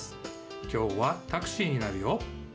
きょうはタクシーになるよ。